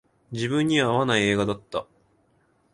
自分には合わない映画だった